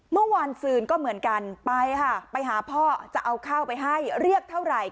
เมื่อคืนก็เหมือนกันไปค่ะไปหาพ่อจะเอาข้าวไปให้เรียกเท่าไหร่